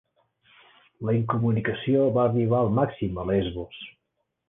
La incomunicació va arribar al màxim a Lesbos.